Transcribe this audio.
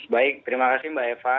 baik terima kasih mbak eva